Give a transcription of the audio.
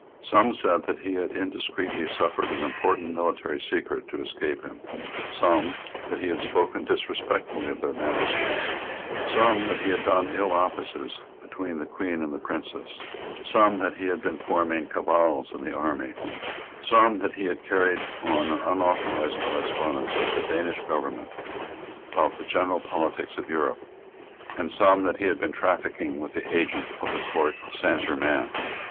Some said that he had indiscreetly suffered an important military secret to escape him; some that he had spoken disrespectfully of their Majesties; some that he had done ill offices between the Queen and the Princess; some that he had been forming cabals in the army; some that he had carried on an unauthorised correspondence with the Danish government about the general politics of Europe; and some that he had been trafficking with the agents of the Court of Saint Germains.